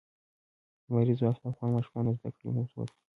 لمریز ځواک د افغان ماشومانو د زده کړې موضوع ده.